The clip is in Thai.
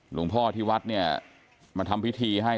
หลวงพ่อที่วัดเนี่ยมาทำพิธีให้